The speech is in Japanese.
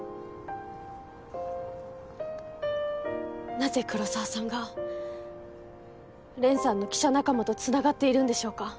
なぜ黒澤さんが蓮さんの記者仲間とつながっているんでしょうか。